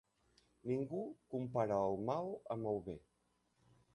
Ningú compara el mal amb el bé.